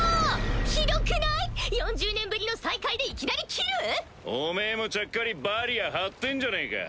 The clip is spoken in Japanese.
ひどくない⁉４０年ぶりの再会でいきなり斬る⁉おめぇもちゃっかりバリア張ってんじゃねぇか。